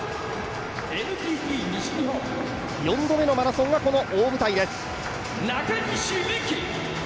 ４度目のマラソンはこの大舞台です。